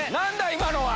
今のは。